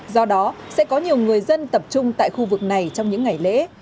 do đó sẽ có nhiều người dân tập trung tại khu vực này trong những ngày lễ